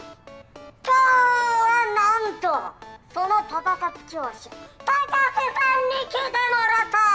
今日はなんとそのパパ活教師高瀬さんに来てもらった！